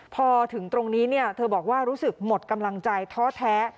พอถึงตรงนี้เธอบอกว่ารู้สึกหมดกำลังใจท้อแท้